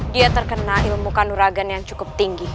dia terkena ilmu kanuragan yang cukup tinggi